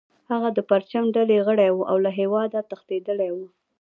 هغه د پرچم ډلې غړی و او له هیواده تښتیدلی و